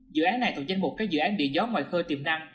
dự án này thuộc danh mục các dự án điện gió ngoài khơi tiềm năng